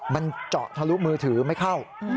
มันเจาะทะลุมือถือไม่เข้า